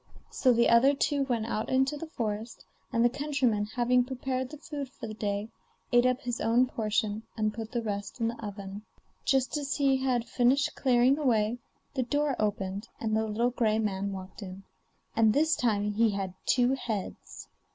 So the other two went out into the forest, and the countryman having prepared the food for the day, ate up his own portion, and put the rest in the oven. Just as he had finished clearing away, the door opened and the little gray man walked in, and this time he had two heads.